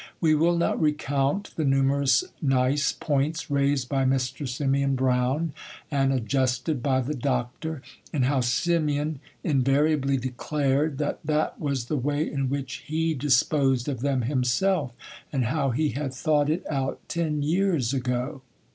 We will not recount the numerous nice points raised by Mr. Simeon Brown and adjusted by the Doctor,—and how Simeon invariably declared, that that was the way in which he disposed of them himself, and how he had thought it out ten years ago.